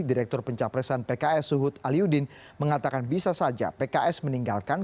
direktur pencapresan pks suhut aliudin mengatakan bisa saja pks meninggalkan